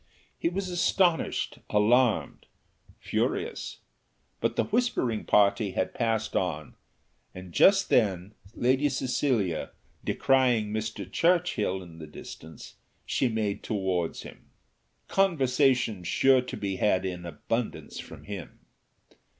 He was astonished, alarmed, furious; but the whispering party had passed on, and just then Lady Cecilia descrying Mr. Churchill in the distance, she made towards him. Conversation sure to be had in abundance from him.